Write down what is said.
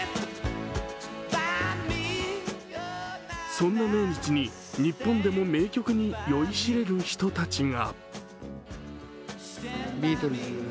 そんな命日に日本でも名曲に酔いしれる人たちが。